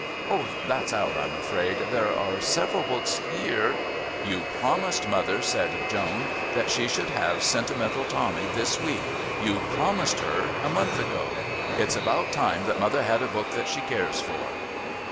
"Oh, that's out, I'm afraid. There are several books here " "You promised mother," said Joan, "that she should have Sentimental Tommy this week. You promised her a month ago. It's about time that mother had a book that she cares for."